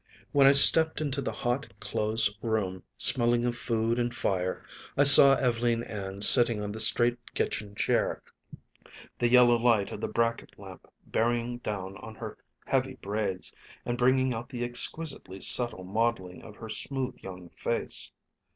When I stepped into the hot, close room, smelling of food and fire, I saw Ev'leen Ann sitting on the straight kitchen chair, the yellow light of the bracket lamp bearing down on her heavy braids and bringing out the exquisitely subtle modeling of her smooth young face.